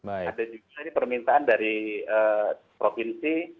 ada juga ini permintaan dari provinsi